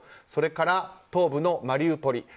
それから東部のマリウポリ。